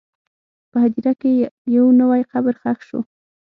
په هدیره کې یو نوی قبر ښخ شو.